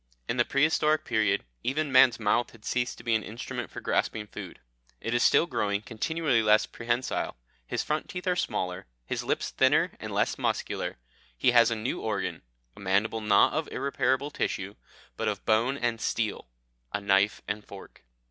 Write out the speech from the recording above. In the prehistoric period even, man's mouth had ceased to be an instrument for grasping food; it is still growing continually less prehensile, his front teeth are smaller, his lips thinner and less muscular; he has a new organ, a mandible not of irreparable tissue, but of bone and steel a knife and fork.